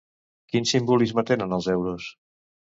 Quin simbolisme tenen els suros?